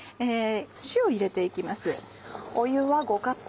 塩入れて行きます。